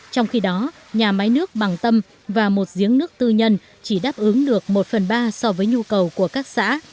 trong khi đó nhà máy nước bằng tâm và một giếng nước tư nhân chỉ đáp ứng được một phần ba so với nhu cầu của các xã